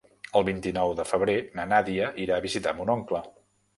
El vint-i-nou de febrer na Nàdia irà a visitar mon oncle.